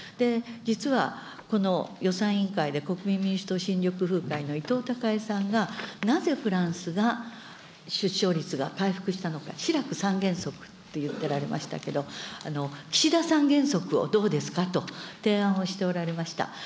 実はこの予算委員会で国民民主党・新緑風会の伊藤孝恵さんが、なぜフランスが出生率が回復したのか、シラク三原則って言っておられましたけど、岸田三原則はどうですかと提案をしておられました。